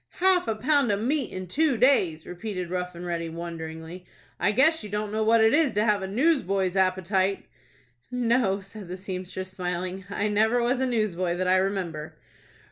"Half a pound of meat in two days!" repeated Rough and Ready, wonderingly. "I guess you don't know what it is to have a newsboy's appetite." "No," said the seamstress, smiling. "I never was a newsboy that I remember."